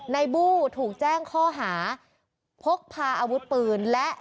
บู้ถูกแจ้งข้อหาพกพาอาวุธปืนและ